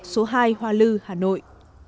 số hai hoa lư hà nội